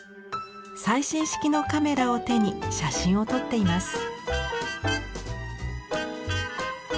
最新式のカメラを手に写真を撮っています。